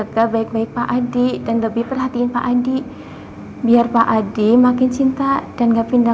ganggu waktu papa